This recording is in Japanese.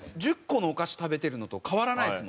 １０個のお菓子食べてるのと変わらないですもんね。